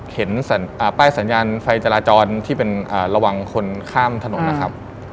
เห็นป้ายสัญญาณไฟจราจรที่เป็นระวังคนข้ามถนนนะครับ